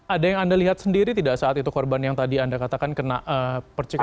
ada yang anda lihat sendiri tidak saat itu korban yang tadi anda katakan kena percikan